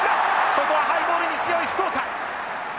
ここはハイボールに強い福岡。